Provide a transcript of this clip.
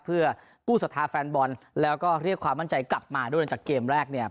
เพื่อกู้ศรัทธาแฟนบอลแล้วก็เรียกความมั่นใจกลับมาด้วยหลังจากเกมแรกเนี่ย